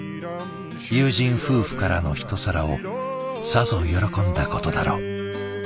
友人夫婦からのひと皿をさぞ喜んだことだろう。